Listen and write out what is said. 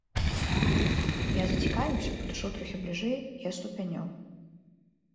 Я зацікавіўся, падышоў трохі бліжэй і аслупянеў.